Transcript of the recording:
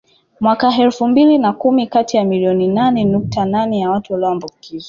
Mwaka elfu mbili na kumi kati ya milioni nane nukta nane ya watu waliambukizwa